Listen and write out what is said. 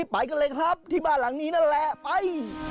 ไปกันเลยครับที่บ้านหลังนี้นั่นแหละไป